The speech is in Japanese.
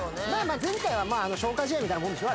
前回は消化試合みたいなもんでしょ